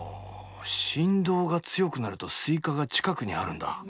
振動が強くなるとスイカが近くにあるんだ。